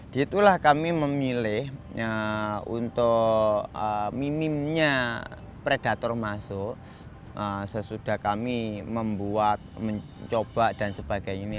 di itulah kami memilih untuk minimnya predator masuk sesudah kami membuat mencoba dan sebagainya